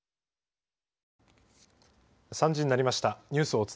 ３時になりました。